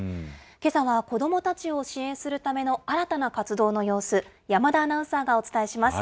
けさは子どもたちを支援するための新たな活動の様子、山田アナウンサーがお伝えします。